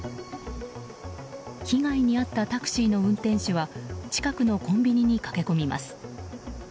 被害に遭ったタクシーの運転手は近くのコンビニに駆け込みます。